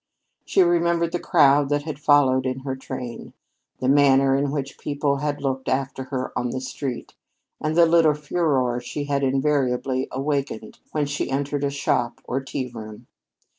She remembered the crowd that had followed in her train, the manner in which people had looked after her on the street, and the little furore she had invariably awakened when she entered a shop or tea room.